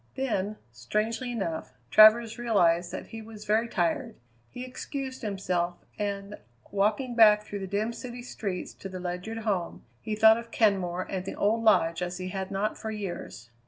Then, strangely enough, Travers realized that he was very tired. He excused himself, and, walking back through the dim city streets to the Ledyard home, he thought of Kenmore and the old lodge as he had not for years.